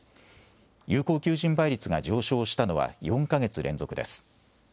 有効求人倍率が上昇したのは４か月連続です。